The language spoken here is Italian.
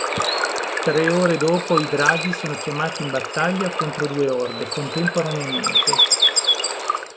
Tre ore dopo i Draghi sono chiamati in battaglia contro due orde contemporaneamente.